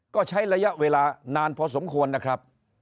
ก็ใช้ระยะเวลานานพอสมควรนะครับ